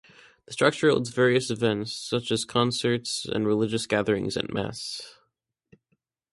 This structure holds various events, such as concerts and religious gatherings and mass.